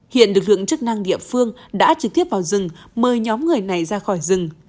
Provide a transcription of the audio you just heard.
hiện lực lượng chức năng địa phương đã trực tiếp vào rừng mời nhóm người này ra khỏi rừng